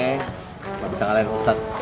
tidak bisa kalahin ustadz